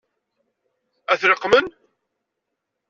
Ad t-leqqmen?